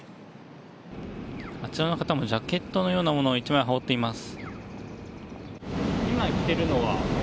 あちらの方もジャケットのようなものを１枚羽織っています。